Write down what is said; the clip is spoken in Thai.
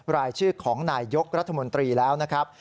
รายชื่อของนายยกรัฐมนตรีแล้วนะครับ